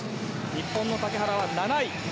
日本の竹原は７位。